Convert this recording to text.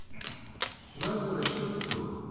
「まずは一つ問う」